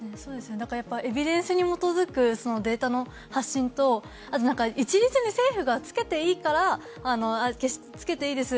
エビデンスに基づくデータの発信と一律に政府がつけていいからつけていいです